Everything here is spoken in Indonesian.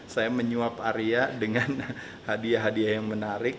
saya menyuap arya dengan hadiah hadiah yang menarik